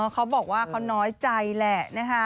เขาบอกว่าเขาน้อยใจแหละนะคะ